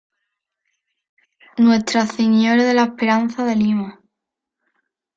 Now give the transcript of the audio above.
Nuestra Señora de la Esperanza de Lima